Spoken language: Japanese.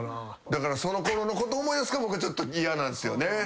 だからそのころのこと思い出すからちょっと嫌なんすよね。